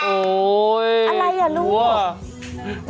โอ้โหอะไรอ่ะลูก